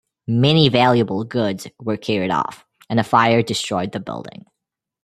Many valuable goods were carried off, and a fire destroyed the building.